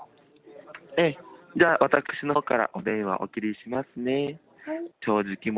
じゃあ、私のほうからお電話お切りしますね。